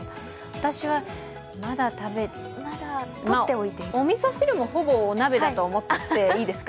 私はまだ、おみそ汁もほぼお鍋だと思っていいですか？